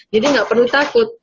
jadi gak perlu takut